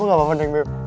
gak apa apa cuma lunyah